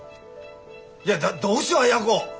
いやだってどうしよう亜哉子！